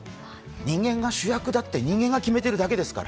人間が主役だって人間が決めてるだけですから。